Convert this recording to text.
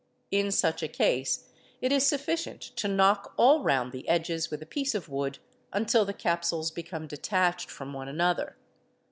In such a case it is sufficient to knock all round the edges with a piece of wood, until the capsules become — detached from one another.